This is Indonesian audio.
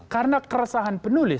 karena keresahan penulis